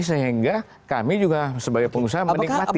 sehingga kami juga sebagai pengusaha menikmati